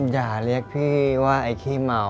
อย่าเรียกพี่ว่าไอ้ขี้เมา